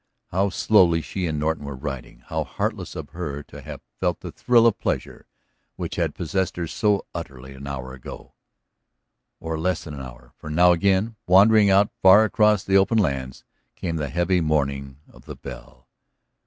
How slowly she and Norton were riding, how heartless of her to have felt the thrill of pleasure which had possessed her so utterly an hour ago! Or less than an hour. For now again, wandering out far across the open lands, came the heavy mourning of the bell.